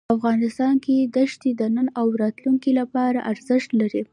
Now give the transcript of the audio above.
افغانستان کې دښتې د نن او راتلونکي لپاره ارزښت لري.